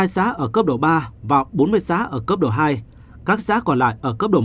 hai xã ở cấp độ ba và bốn mươi xã ở cấp độ hai các xã còn lại ở cấp độ một